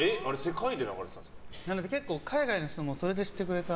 結構、海外の人もそれで知ってくれた。